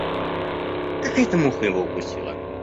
Какая-то муха его укусила.